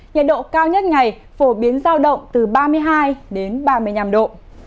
nhiệt độ cao nhất ngày phổ biến giao động từ ba mươi hai đến ba mươi năm độ